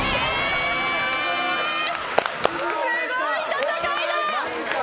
すごい戦い！